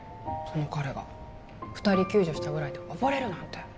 その彼が二人救助したぐらいで溺れるなんて！